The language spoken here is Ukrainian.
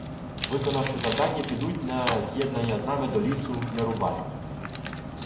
Виконавши завдання, підуть на з'єднання з нами до лісу Нерубай.